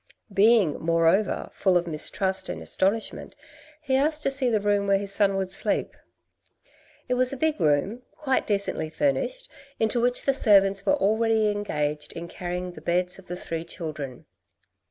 Being moreover full of mistrust and astonishment, he asked to see the room where his son would sleep. It was a big room, quite decently furnished, into which the servants were already engaged in carrying the beds of the three children.